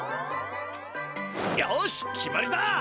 よし決まりだ！